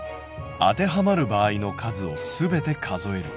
当てはまる場合の数をすべて数える。